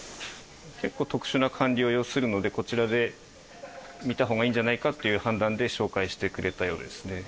結構特殊な管理を要するので、こちらで診たほうがいいんじゃないかっていう判断で、紹介してくれたようですね。